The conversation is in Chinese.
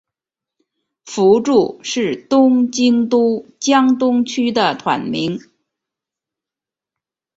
福住是东京都江东区的町名。